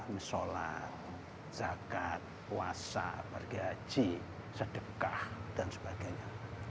misalat zakat puasa bergaji sedekah dan sebagainya